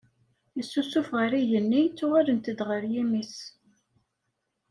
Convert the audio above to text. Yessusuf ɣer yigenni ttuɣalent-d ɣer yimi-s